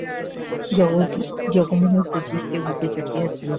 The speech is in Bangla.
জগমোহন শচীশকে বুকে চাপিয়া ধরিলেন।